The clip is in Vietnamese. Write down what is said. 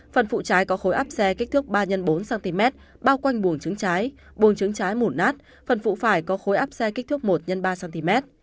phần phụ cháy có khối áp xe kích thước ba x bốn cm bao quanh buồng trứng trái buồng trứng trái mủn nát phần phụ phải có khối áp xe kích thước một x ba cm